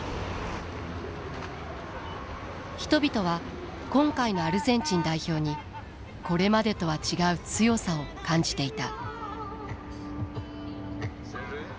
人々は今回のアルゼンチン代表にこれまでとは違う強さを感じていた。